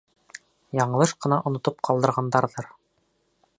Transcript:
Яңылыш ҡына онотоп ҡалдырғандарҙыр.